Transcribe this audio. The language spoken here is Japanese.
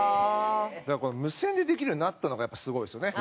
無線でできるようになったのがやっぱすごいですよね。